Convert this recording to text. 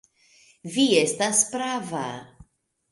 Vi estas prava.